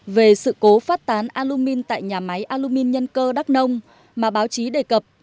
về sự cố phát tán alumin tại nhà máy alumin nhân cơ đắk nông mà báo chí đề cập